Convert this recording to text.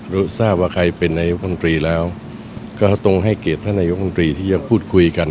รู้ทราบว่าใครเป็นนายกลุ่มกรีแล้วก็ต้องให้เกตท่านนายกลุ่มกรีที่จะพูดคุยกัน